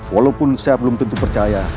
walaupun saya belum tentu percaya